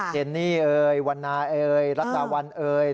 เจนนี่เอ่ยวันนาเอยรัฐดาวันเอย